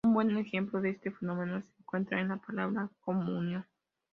Un buen ejemplo de este fenómeno se encuentra en la palabra "comunión".